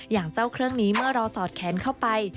อย่างเจ้าเครื่องนี้เมื่อเราสอดแขนเข้าไป